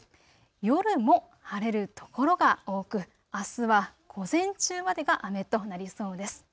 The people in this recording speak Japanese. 夜も晴れる所が多くあすは午前中までが雨となりそうです。